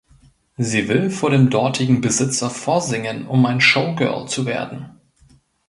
Sie will vor dem dortigen Besitzer vorsingen um ein Showgirl zu werden.